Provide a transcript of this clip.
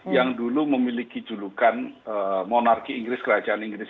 yang dulu memiliki julukan monarki inggris kerajaan inggris